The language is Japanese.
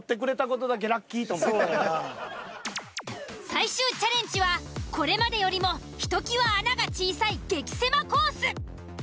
最終チャレンジはこれまでよりもひときわ穴が小さい激狭コース。